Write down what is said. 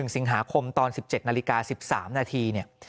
๑สิงหาคมตอน๑๗นาฬิกา๑๓นาทีเนี่ย